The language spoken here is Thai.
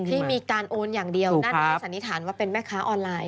ที่มีการโอนอย่างเดียวน่าจะสันนิษฐานว่าเป็นแม่ค้าออนไลน์